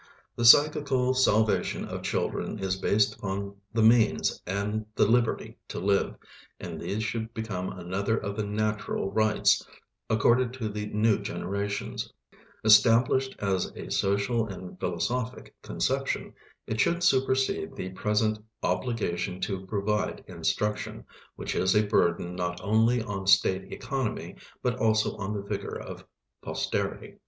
The psychical salvation of children is based upon the means and the liberty to live, and these should become another of the "natural rights" accorded to the new generations; established as a social and philosophic conception, it should supersede the present "obligation to provide instruction," which is a burden not only on State economy but also on the vigor of posterity.